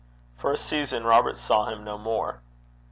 For a season Robert saw him no more.